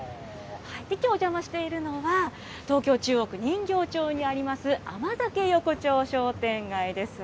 きょうお邪魔しているのは、東京・中央区人形町にあります、甘酒横丁商店街です。